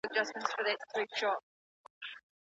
که قومي مشران د شخړو په حل کي مرسته وکړي، نو محاکم نه ډکیږي.